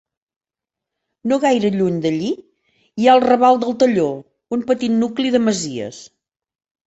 No gaire lluny d'allí hi ha el raval del Talló, un petit nucli de masies.